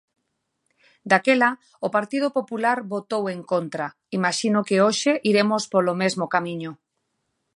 Daquela, o Partido Popular votou en contra; imaxino que hoxe iremos polo mesmo camiño.